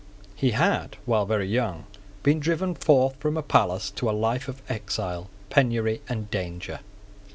He had, while very young, been driven forth from a palace to a life of exile. penury, and danger.